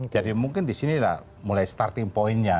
jadi mungkin disinilah mulai starting point nya